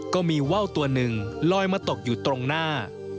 ว่าวตัวหนึ่งลอยมาตกอยู่ตรงหน้า